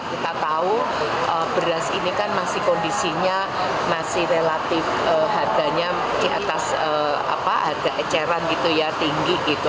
kita tahu beras ini kan masih kondisinya masih relatif harganya di atas harga eceran gitu ya tinggi gitu